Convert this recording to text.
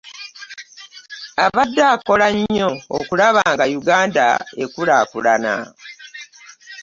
Abadde akola nnyo okulaba nga Uganda enkulaakulana.